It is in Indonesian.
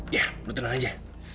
ya lu tenang aja